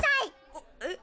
あっえっ。